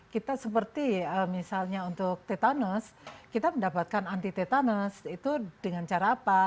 kita seperti misalnya untuk tetanus kita mendapatkan anti tetanus itu dengan cara apa